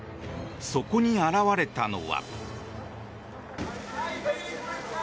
そこに現れたのは。